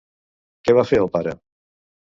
Què va fer el pare?